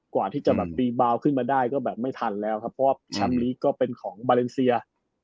กว่าที่จะแบบตีเบาขึ้นมาได้ก็แบบไม่ทันแล้วครับเพราะว่าแชมป์นี้ก็เป็นของมาเลเซีย